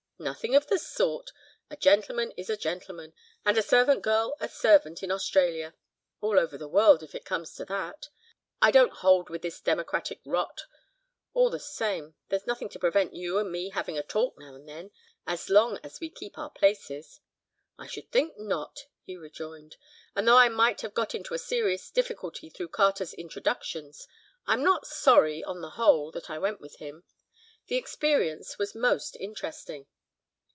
"Nothing of the sort. A gentleman is a gentleman, and a servant girl a servant in Australia; all over the world, if it comes to that. I don't hold with this democratic rot. All the same, there's nothing to prevent you and me having a talk now and then, as long as we keep our places." "I should think not," he rejoined, "and though I might have got into a serious difficulty through Carter's introductions, I'm not sorry, on the whole, that I went with him, the experience was most interesting."